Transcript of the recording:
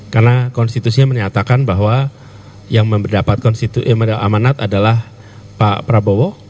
karena konstitusinya menyatakan bahwa yang mendapatkan amanat adalah pak prabowo